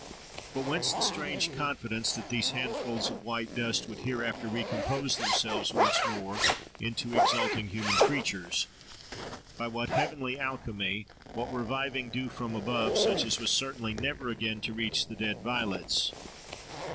But whence the strange confidence that these "handfuls of white dust" would hereafter recompose themselves once more into exulting human creatures? By what heavenly alchemy, what reviving dew from above, such as was certainly never again to reach the dead violets?